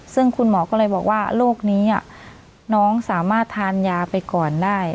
ซึ่งคุณหมอก็เลยบอกว่าโรคนี้น้องสามารถทานยาไปก่อนได้